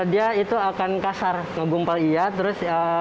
dia itu akan kasar ngegumpel iya terus si adonan juga kasar juga